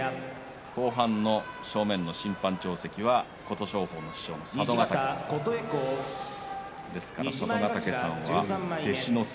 正面の審判長席は琴勝峰の師匠佐渡ヶ嶽さんです。